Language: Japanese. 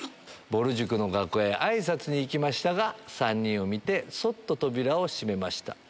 ぼる塾の楽屋へあいさつに行きましたが３人を見てそっと扉を閉めました。